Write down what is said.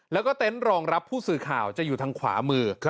แล้วก็เต็นต์รองรับผู้สื่อข่าวจะอยู่ทางขวามือ